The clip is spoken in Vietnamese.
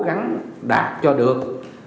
cố gắng đạt cho được